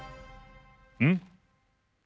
うん？